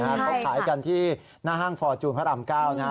เขาขายกันที่หน้าห้างฟอร์จูนพระราม๙